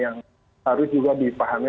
sehingga anak anak juga punya peran untuk